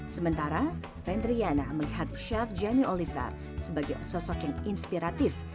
sementara rendriana melihat chef janny oliver sebagai sosok yang inspiratif